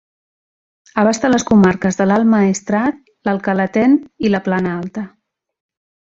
Abasta les comarques de l'Alt Maestrat, l'Alcalatén i la Plana Alta.